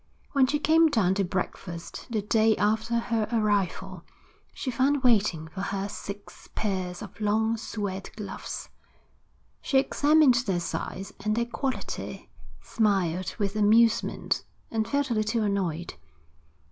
When she came down to breakfast the day after her arrival, she found waiting for her six pairs of long suède gloves. She examined their size and their quality, smiled with amusement, and felt a little annoyed.